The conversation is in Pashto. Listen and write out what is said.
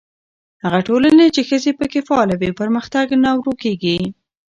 هغه ټولنه چې ښځې پکې فعاله وي، پرمختګ نه ورو کېږي.